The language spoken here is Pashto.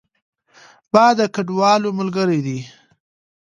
باد د کډوالو ملګری دی